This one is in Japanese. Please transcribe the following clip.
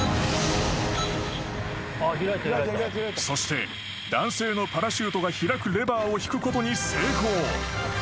［そして男性のパラシュートが開くレバーを引くことに成功］